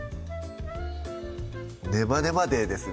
ネバネバデーですね